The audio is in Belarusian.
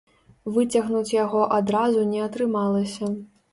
Выцягнуць яго адразу не атрымалася.